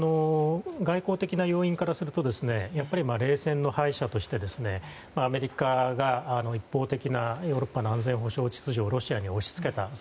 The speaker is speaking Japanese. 外交的な要因からするとやっぱり冷戦の敗者としてアメリカが一方的なヨーロッパの安全保障秩序をロシアに押し付けた。